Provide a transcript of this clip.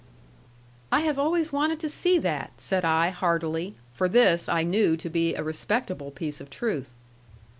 "I have always wanted to see that," said I, heartily. For this I knew to be a respectable piece of truth.